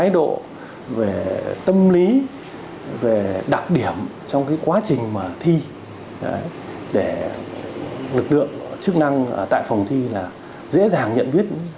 để lực lượng chức năng tại phòng thi là dễ dàng nhận biết